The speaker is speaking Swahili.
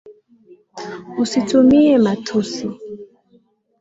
Usitumie matusi.